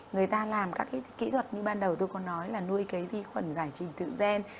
người ta làm các cái kỹ thuật như ban đầu tôi có nói là nuôi cái vi khuẩn giải trình tự gen